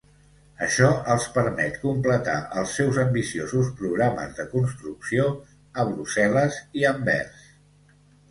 Això els permet completar els seus ambiciosos programes de construcció a Brussel·les i Anvers.